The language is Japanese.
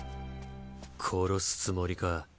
殺すつもりか。